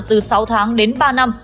từ sáu tháng đến ba năm